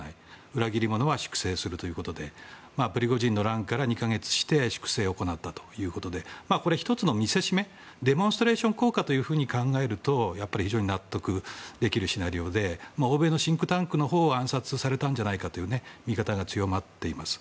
裏切り者は粛正するということでプリゴジンの乱から２か月して粛清を行ったということで１つの見せしめデモンストレーション効果と考えると非常に納得できるシナリオで欧米のシンクタンクのほうは暗殺されたんじゃないかという見方が強まっています。